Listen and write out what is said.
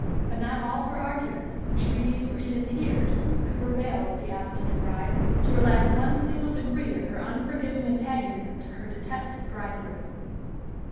But not all her arguments, entreaties, or even tears, could prevail with the obstinate bride to relax one single degree of her unforgiving antagonism to her detested bridegroom.